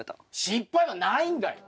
失敗はないんだよ。